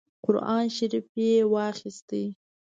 قران شریف یې واخیست.